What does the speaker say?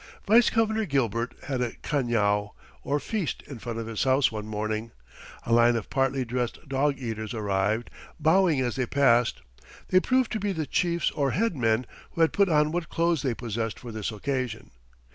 Vice Governor Gilbert had a cañao, or feast, in front of his house one morning. A line of partly dressed dog eaters arrived, bowing as they passed. They proved to be the chiefs or head men, who had put on what clothes they possessed for this occasion.